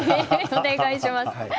お願いします。